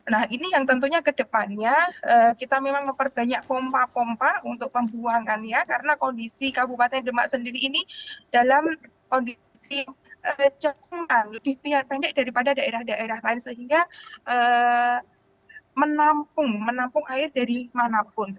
nah ini yang tentunya kedepannya kita memang memperbanyak pompa pompa untuk pembuangannya karena kondisi kabupaten demak sendiri ini dalam kondisi cekungan lebih pendek daripada daerah daerah lain sehingga menampung air dari manapun